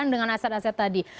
dengan aset aset tadi